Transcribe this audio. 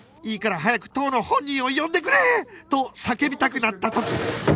いいから早く当の本人を呼んでくれ！と叫びたくなった時